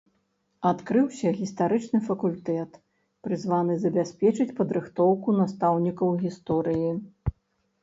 Адкрыўся гістарычны факультэт, прызваны забяспечыць падрыхтоўку настаўнікаў гісторыі.